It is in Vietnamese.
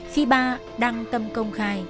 khi ba đăng tâm công khai